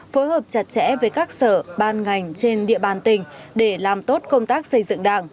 phối hợp chặt chẽ với các sở ban ngành trên địa bàn tỉnh để làm tốt công tác xây dựng đảng